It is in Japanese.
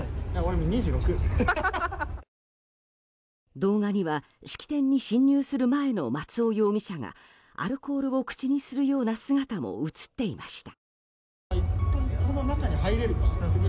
動画には式典に侵入する前の松尾容疑者がアルコールを口にするような姿も映っていました。